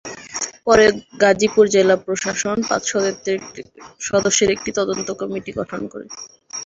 পরে গাজীপুর জেলা প্রশাসন পাঁচ সদস্যের একটি তদন্ত কমিটি গঠন করে।